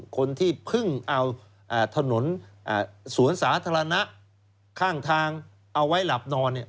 คนที่เพิ่งเอาถนนสวนสาธารณะข้างทางเอาไว้หลับนอน